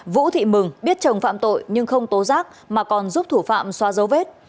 vũ thị mừng biết chồng phạm tội nhưng không tố giác mà còn giúp thủ phạm xóa dấu vết